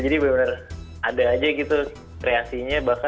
jadi bener bener ada aja gitu kreasinya